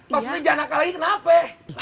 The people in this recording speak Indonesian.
maksudnya jangan nakal lagi kenapa